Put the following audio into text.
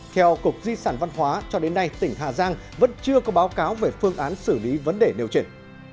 theo cục di sản văn hóa cho đến nay tỉnh hà giang vẫn chưa có báo cáo về phương án xử lý vấn đề điều chuyển